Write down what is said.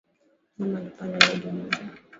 Mama alipanda ndege juzi